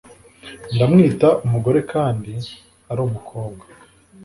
ndamwita umugore kandi arumukobwa